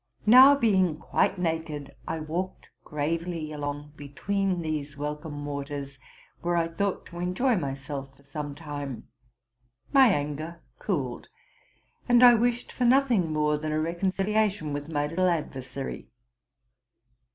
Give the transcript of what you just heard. Now, being quite naked, I walked gravely along between these welcome waters, where I thought to enjoy myself for some time. My anger cooled, and I wished for nothing more than a reconciliation with my little adversary.